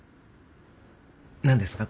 何ですか？